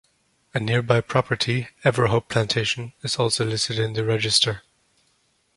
A nearby property, Everhope Plantation, is also listed in the register.